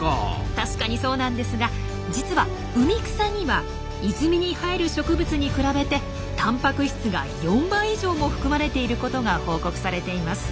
確かにそうなんですが実は海草には泉に生える植物に比べてタンパク質が４倍以上も含まれていることが報告されています。